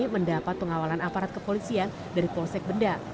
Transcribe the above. mendapat pengawalan aparat kepolisian dari polsek benda